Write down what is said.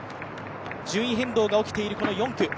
順位変動が起きている４区。